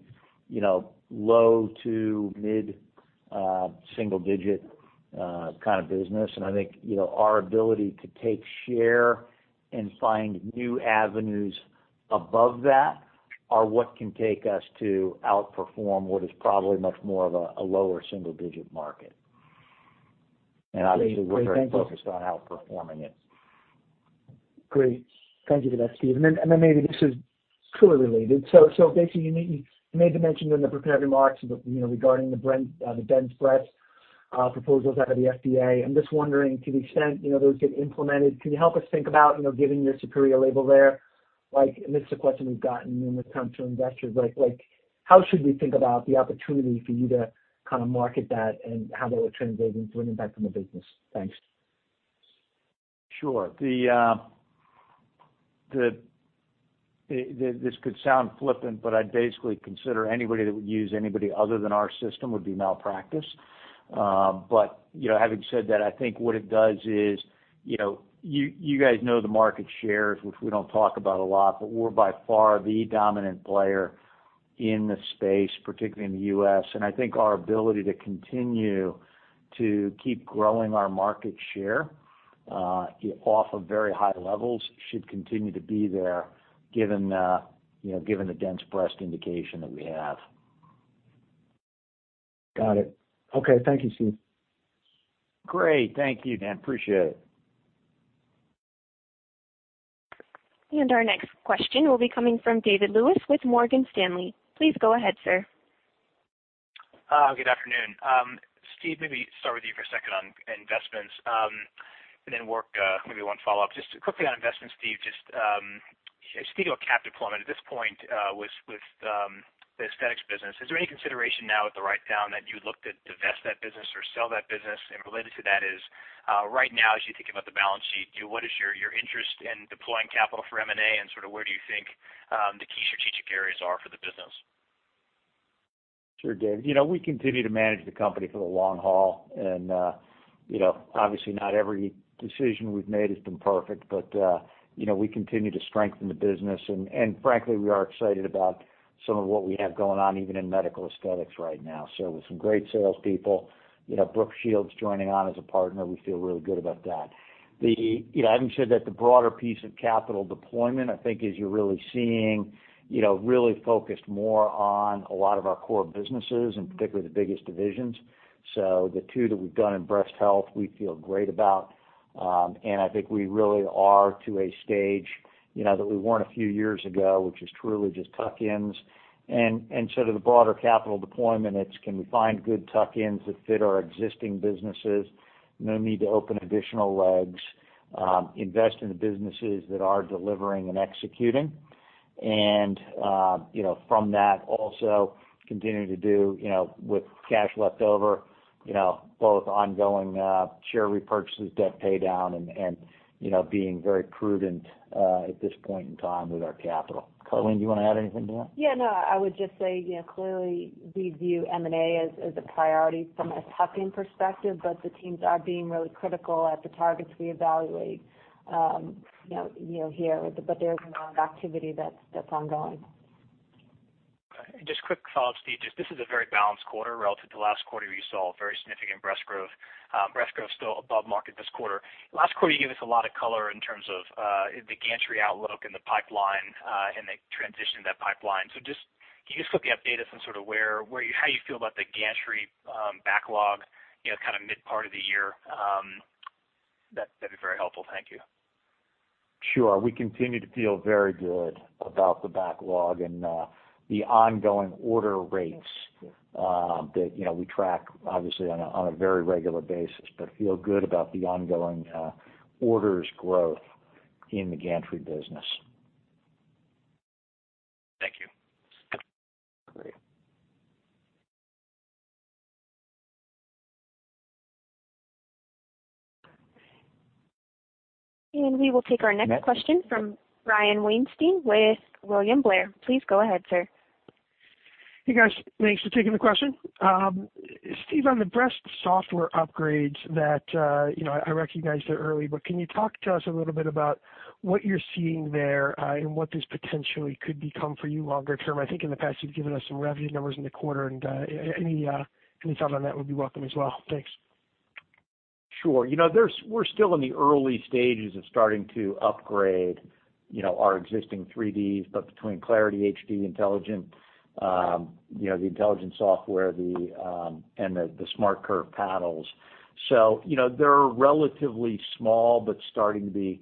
low to mid-single digit kind of business. I think, our ability to take share and find new avenues above that are what can take us to outperform what is probably much more of a lower single-digit market. Obviously- Great. Thank you We are very focused on outperforming it. Great. Thank you for that, Steve. Maybe this is truly related. You made the mention in the prepared remarks regarding the dense breast proposals out of the FDA. I am just wondering, to the extent those get implemented, can you help us think about, given your superior label there, this is a question we have gotten when we have come to investors, how should we think about the opportunity for you to market that and how that would translate into an impact on the business? Thanks. Sure. This could sound flippant, but I would basically consider anybody that would use anybody other than our system would be malpractice. Having said that, I think what it does is, you guys know the market shares, which we do not talk about a lot, but we are by far the dominant player in the space, particularly in the U.S. I think our ability to continue to keep growing our market share off of very high levels should continue to be there given the dense breast indication that we have. Got it. Okay. Thank you, Steve. Great. Thank you, Dan. Appreciate it. Our next question will be coming from David Lewis with Morgan Stanley. Please go ahead, sir. Good afternoon. Steve, maybe start with you for a second on investments, then work maybe one follow-up. Just quickly on investments, Steve, just speaking of cap deployment, at this point with the aesthetics business, is there any consideration now with the write-down that you'd look to divest that business or sell that business? Related to that is, right now as you think about the balance sheet, what is your interest in deploying capital for M&A and sort of where do you think the key strategic areas are for the business? Sure, David. We continue to manage the company for the long haul. Obviously not every decision we've made has been perfect. We continue to strengthen the business. Frankly, we are excited about some of what we have going on, even in medical aesthetics right now. With some great salespeople, Brooke Shields joining on as a partner, we feel really good about that. Having said that, the broader piece of capital deployment, I think as you're really seeing, really focused more on a lot of our core businesses, particularly the biggest divisions. The two that we've done in breast health, we feel great about. I think we really are to a stage that we weren't a few years ago, which is truly just tuck-ins. The broader capital deployment, it's can we find good tuck-ins that fit our existing businesses? No need to open additional legs. Invest in the businesses that are delivering and executing. From that also continue to do, with cash left over, both ongoing share repurchases, debt paydown, and being very prudent at this point in time with our capital. Karleen, do you want to add anything to that? Yeah, no. I would just say, clearly we view M&A as a priority from a tuck-in perspective. The teams are being really critical at the targets we evaluate here. There's amount of activity that's ongoing. Okay. Just quick follow-up, Steve, just this is a very balanced quarter relative to last quarter where you saw very significant breast growth. Breast growth still above market this quarter. Last quarter, you gave us a lot of color in terms of the gantry outlook and the pipeline, and the transition of that pipeline. Can you just quickly update us on how you feel about the gantry backlog, mid-part of the year? That'd be very helpful. Thank you. Sure. We continue to feel very good about the backlog and the ongoing order rates that we track, obviously, on a very regular basis, but feel good about the ongoing orders growth in the gantry business. Thank you. Great. We will take our next question from Brian Weinstein with William Blair. Please go ahead, sir. Hey, guys. Thanks for taking the question. Steve, on the breast software upgrades, I recognized it early, but can you talk to us a little bit about what you're seeing there and what this potentially could become for you longer term? I think in the past you've given us some revenue numbers in the quarter, and any thought on that would be welcome as well. Thanks. Sure. We're still in the early stages of starting to upgrade our existing 3Ds, but between Clarity HD, the Intelligent 2D software, and the SmartCurve paddles. They're relatively small, but starting to be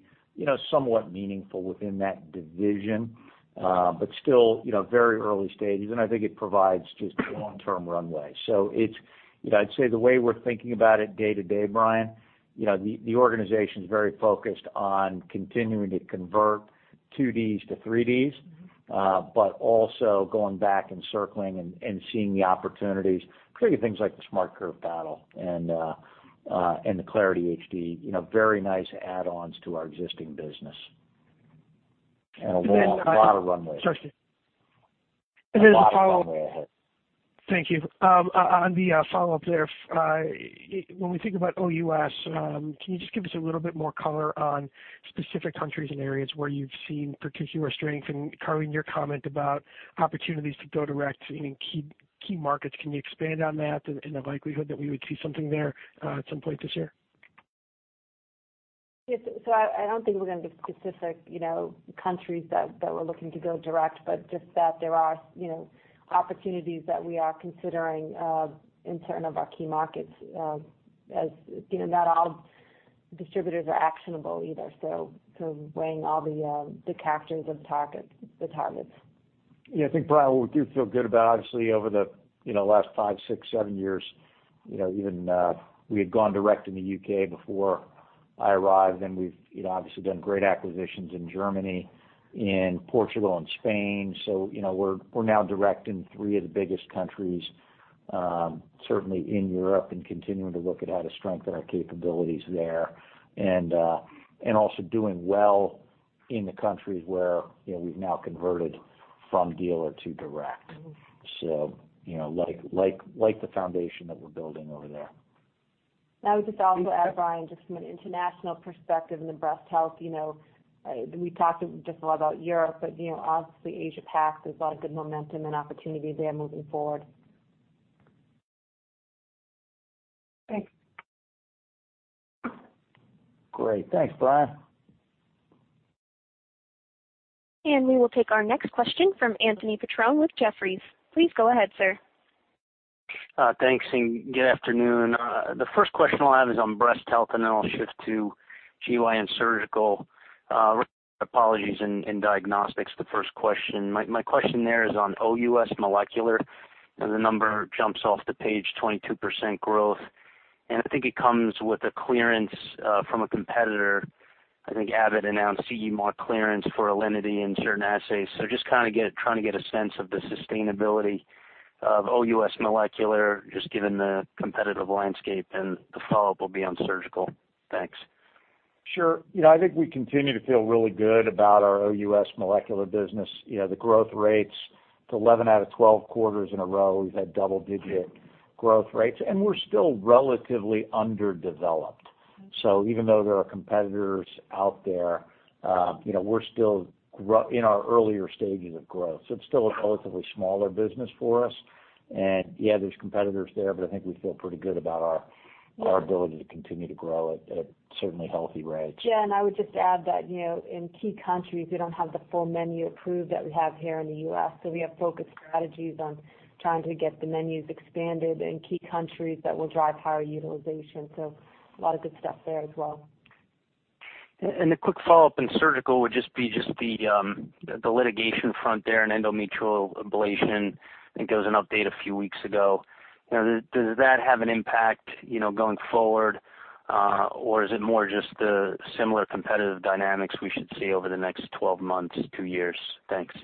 somewhat meaningful within that division. Still very early stages, and I think it provides just long-term runway. I'd say the way we're thinking about it day to day, Brian, the organization's very focused on continuing to convert 2Ds to 3Ds, but also going back and circling and seeing the opportunities, clearly things like the SmartCurve paddle and the Clarity HD. Very nice add-ons to our existing business. A lot of runway. Sorry, Steve. As a follow-up- A lot of runway ahead. Thank you. On the follow-up there, when we think about OUS, can you just give us a little bit more color on specific countries and areas where you've seen particular strength? Karleen, your comment about opportunities to go direct in key markets, can you expand on that and the likelihood that we would see something there at some point this year? Yes. I don't think we're going to give specific countries that we're looking to go direct, but just that there are opportunities that we are considering in terms of our key markets, as not all distributors are actionable either, weighing all the options of the targets. Yeah. I think, Brian, what we do feel good about, obviously, over the last five, six, seven years, even we had gone direct in the U.K. before I arrived, and we've obviously done great acquisitions in Germany, in Portugal and Spain. We're now direct in three of the biggest countries, certainly in Europe, and continuing to look at how to strengthen our capabilities there. Also doing well in the countries where we've now converted from dealer to direct. Like the foundation that we're building over there. I would just also add, Brian, just from an international perspective in the Breast Health, we talked just a lot about Europe, but obviously Asia-Pac, there's a lot of good momentum and opportunity there moving forward. Thanks. Great. Thanks, Brian. We will take our next question from Anthony Petrone with Jefferies. Please go ahead, sir. Thanks, and good afternoon. The first question I'll have is on breast health, then I'll shift to GYN surgical. Apologies, in diagnostics, the first question. My question there is on OUS molecular, as the number jumps off the page, 22% growth. I think it comes with a clearance from a competitor. I think Abbott announced CE mark clearance for Alinity in certain assays. Just kind of trying to get a sense of the sustainability of OUS molecular, just given the competitive landscape. The follow-up will be on surgical. Thanks. Sure. I think we continue to feel really good about our OUS molecular business. The growth rates to 11 out of 12 quarters in a row, we've had double-digit growth rates, and we're still relatively underdeveloped. Even though there are competitors out there, we're still in our earlier stages of growth. It's still a relatively smaller business for us. Yeah, there's competitors there, but I think we feel pretty good about our ability to continue to grow at a certainly healthy rate. Yeah, I would just add that in key countries, we don't have the full menu approved that we have here in the U.S., so we have focused strategies on trying to get the menus expanded in key countries that will drive higher utilization. A lot of good stuff there as well. The quick follow-up in surgical would just be just the litigation front there and endometrial ablation. I think there was an update a few weeks ago. Does that have an impact going forward? Or is it more just the similar competitive dynamics we should see over the next 12 months, 2 years? Thanks.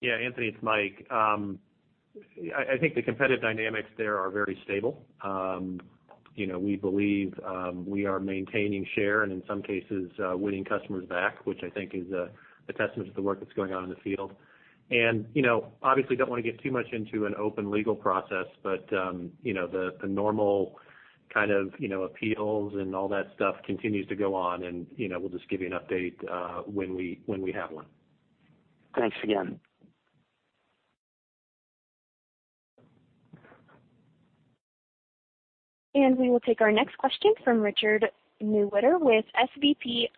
Yeah, Anthony, it's Mike. I think the competitive dynamics there are very stable. We believe we are maintaining share and in some cases, winning customers back, which I think is a testament to the work that's going on in the field. Obviously don't want to get too much into an open legal process. The normal kind of appeals and all that stuff continues to go on, and we'll just give you an update when we have one. Thanks again. We will take our next question from Richard Newitter with SVB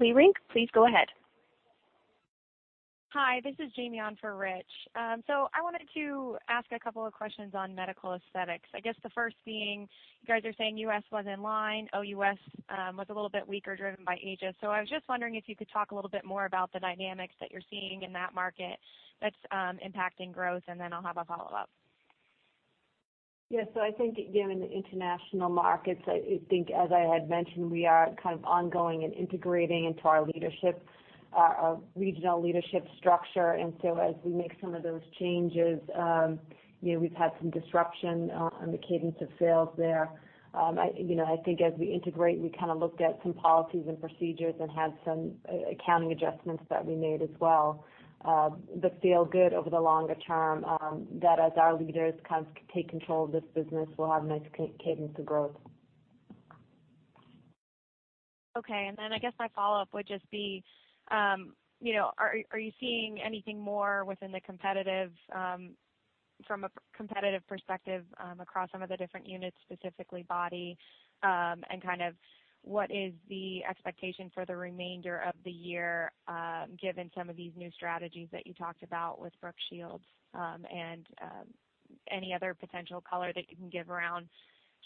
Leerink. Please go ahead. Hi, this is Jamie on for Rich. I wanted to ask a couple of questions on medical aesthetics. I guess the first being, you guys are saying U.S. was in line, OUS was a little bit weaker, driven by Asia. I was just wondering if you could talk a little bit more about the dynamics that you're seeing in that market that's impacting growth, and then I'll have a follow-up. Yes. Again, in the international markets, as I had mentioned, we are kind of ongoing and integrating into our regional leadership structure. As we make some of those changes, we've had some disruption on the cadence of sales there. As we integrate, we looked at some policies and procedures and had some accounting adjustments that we made as well, that feel good over the longer term, that as our leaders take control of this business, we'll have a nice cadence of growth. Okay. I guess my follow-up would just be, are you seeing anything more from a competitive perspective across some of the different units, specifically body? What is the expectation for the remainder of the year, given some of these new strategies that you talked about with Brooke Shields? Any other potential color that you can give around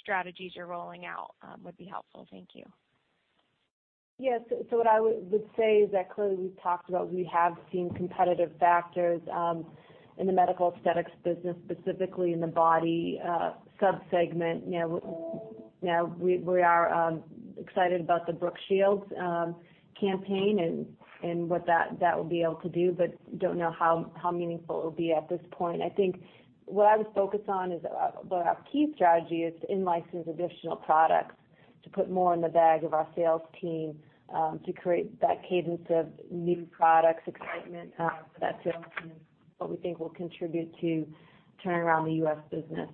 strategies you're rolling out would be helpful. Thank you. Yes. What I would say is that clearly we've talked about, we have seen competitive factors in the medical aesthetics business, specifically in the body sub-segment. We are excited about the Brooke Shields campaign and what that will be able to do, but don't know how meaningful it will be at this point. What I would focus on is our key strategy is to in-license additional products to put more in the bag of our sales team to create that cadence of new products excitement for that sales team, what we think will contribute to turning around the U.S. business.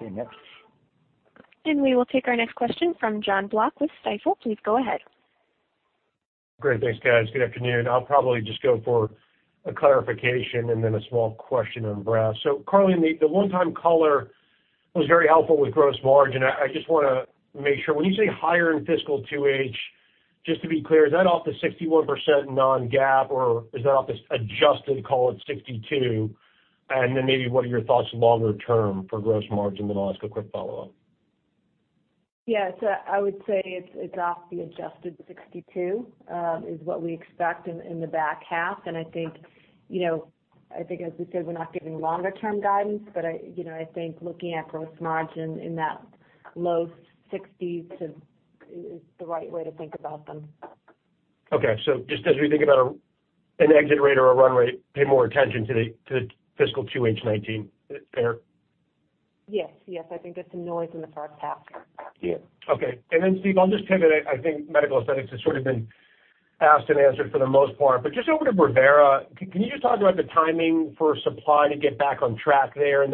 Okay, next. We will take our next question from Jonathan Block with Stifel. Please go ahead. Great. Thanks, guys. Good afternoon. I'll probably just go for a clarification and then a small question on breadth. Karleen, the one-time color was very helpful with gross margin. I just want to make sure, when you say higher in fiscal 2H, just to be clear, is that off the 61% non-GAAP, or is that off this adjusted call it 62%? Maybe what are your thoughts longer term for gross margin? I'll ask a quick follow-up. Yeah. I would say it's off the adjusted 62%, is what we expect in the back half. I think as we said, we're not giving longer term guidance. I think looking at gross margin in that low 60s is the right way to think about them. Just as we think about an exit rate or a run rate, pay more attention to the fiscal 2H 2019 pair? Yes. I think there's some noise in the first half. Yeah. Okay. Steve, I'll just pivot it. I think medical aesthetics has sort of been asked and answered for the most part. Just over to Brevera, can you just talk about the timing for supply to get back on track there?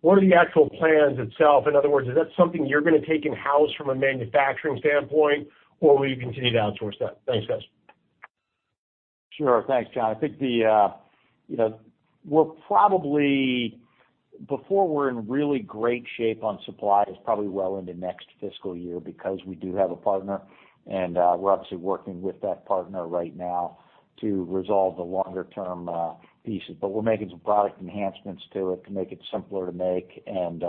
What are the actual plans itself? In other words, is that something you're going to take in-house from a manufacturing standpoint, or will you continue to outsource that? Thanks, guys. Sure. Thanks, Jon. I think before we're in really great shape on supply is probably well into next fiscal year because we do have a partner, and we're obviously working with that partner right now to resolve the longer term pieces. We're making some product enhancements to it to make it simpler to make and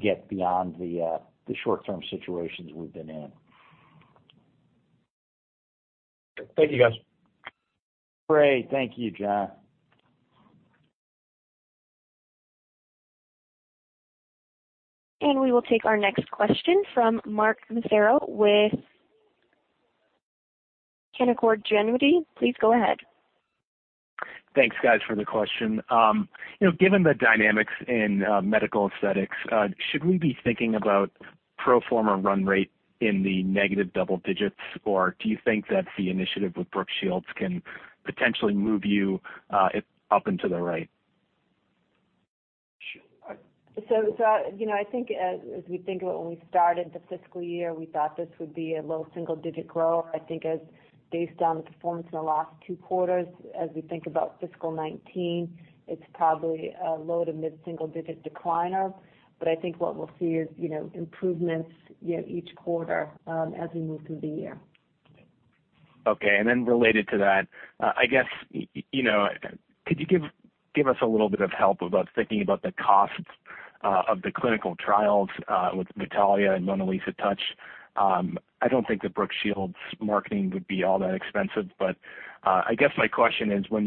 get beyond the short-term situations we've been in. Thank you, guys. Great. Thank you, Jon. We will take our next question from Mark Massaro with Canaccord Genuity. Please go ahead. Thanks, guys, for the question. Given the dynamics in medical aesthetics, should we be thinking about pro forma run rate in the negative double digits, or do you think that the initiative with Brooke Shields can potentially move you up and to the right? I think as we think about when we started the fiscal year, we thought this would be a low single-digit grower. I think based on the performance in the last two quarters, as we think about fiscal 2019, it's probably a low to mid single-digit decliner. I think what we'll see is improvements each quarter as we move through the year. Okay. Related to that, could you give us a little bit of help about thinking about the costs of the clinical trials with Vitalia and MonaLisa Touch? I don't think the Brooke Shields marketing would be all that expensive, but I guess my question is, when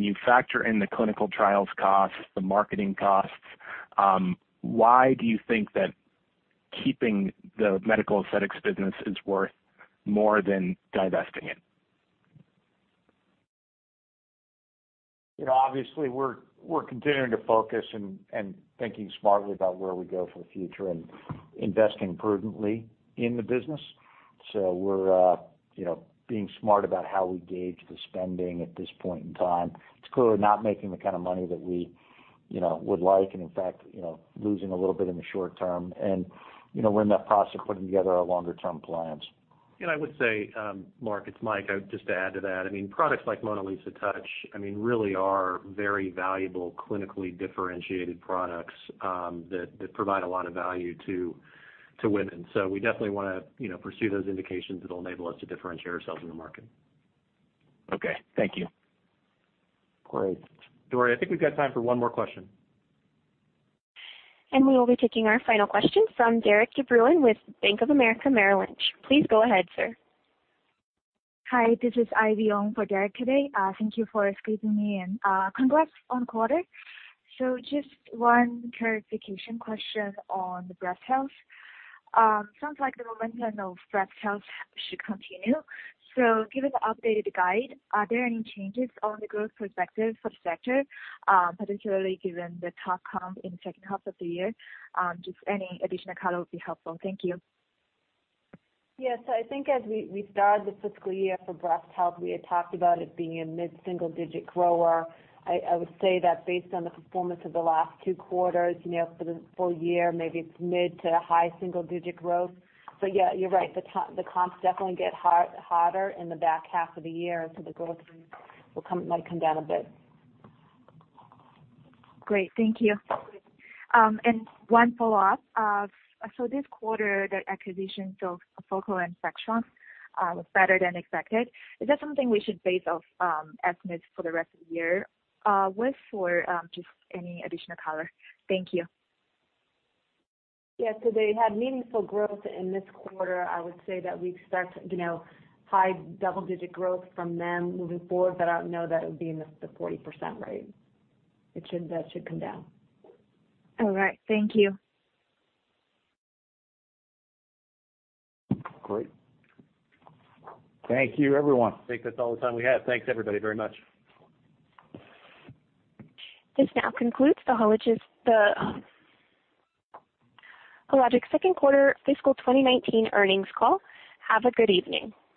you factor in the clinical trials costs, the marketing costs, why do you think that keeping the medical aesthetics business is worth more than divesting it? Obviously, we're continuing to focus and thinking smartly about where we go for the future and investing prudently in the business. We're being smart about how we gauge the spending at this point in time. It's clearly not making the kind of money that we would like, and in fact, losing a little bit in the short term, and we're in that process of putting together our longer-term plans. I would say, Mark, it's Mike, just to add to that, products like MonaLisa Touch really are very valuable, clinically differentiated products that provide a lot of value to women. We definitely want to pursue those indications that'll enable us to differentiate ourselves in the market. Okay. Thank you. Great. Dori, I think we've got time for one more question. We will be taking our final question from Derik De Bruin with Bank of America Merrill Lynch. Please go ahead, sir. Hi, this is Ivy Ong for Derik today. Thank you for squeezing me in. Congrats on the quarter. Just one clarification question on the breast health. Sounds like the momentum of breast health should continue. Given the updated guide, are there any changes on the growth perspective for the sector, particularly given the top comp in the second half of the year? Just any additional color would be helpful. Thank you. I think as we started the fiscal year for breast health, we had talked about it being a mid-single-digit grower. I would say that based on the performance of the last two quarters, for the full year, maybe it's mid-to-high single-digit growth. Yeah, you're right. The comps definitely get harder in the back half of the year. The growth rate might come down a bit. Great. Thank you. One follow-up. This quarter, the acquisitions of Focal and Sectra was better than expected. Is that something we should base off estimates for the rest of the year with, or just any additional color? Thank you. They had meaningful growth in this quarter. I would say that we expect high-double-digit growth from them moving forward, but I don't know that it would be in the 40% range. That should come down. All right. Thank you. Great. Thank you, everyone. I think that's all the time we have. Thanks, everybody, very much. This now concludes the Hologic's second quarter fiscal 2019 earnings call. Have a good evening.